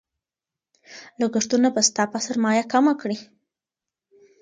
لګښتونه به ستا سرمایه کمه کړي.